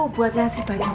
soalnya mau ke indonesia